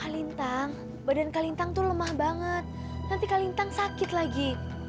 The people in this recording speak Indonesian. kalintang badan kalintang tuh lemah banget nanti kalintang sakit lagi